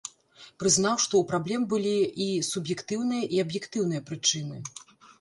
Прызнаў, што ў праблем былі і суб'ектыўныя, і аб'ектыўныя прычыны.